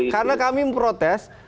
karena kami memprotes